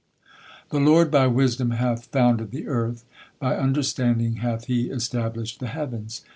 "The Lord by wisdom hath founded the earth; by understanding hath He established the heavens."